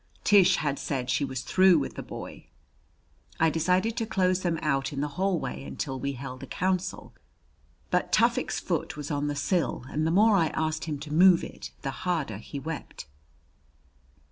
Tish had said she was through with the boy. I decided to close them out in the hallway until we had held a council; but Tufik's foot was on the sill, and the more I asked him to move it, the harder he wept.